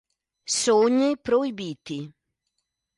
Sogni proibiti